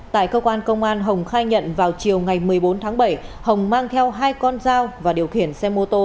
tại cơ quan công an hồng khai nhận vào chiều ngày một mươi bốn tháng bảy hồng mang theo hai con dao và điều khiển xe mô tô